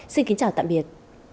xin kính chào tạm biệt